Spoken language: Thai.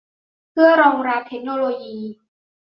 เพื่อรองรับเทคโนโลยี